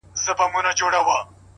دى خو بېله تانه كيسې نه كوي ـ